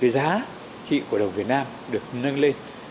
giá trị của đồng việt nam được nâng lên